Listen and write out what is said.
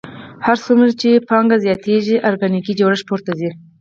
هر څومره چې پانګه زیاتېږي ارګانیکي جوړښت پورته ځي